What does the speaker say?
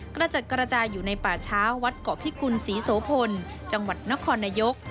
กระจัดกระจายอยู่ในป่าช้าวัดเกาะพิกุลศรีโสพลจังหวัดนครนายก